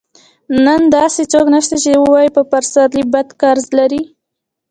نن داسې څوک نشته چې ووايي پر پسرلي بد قرض لرم.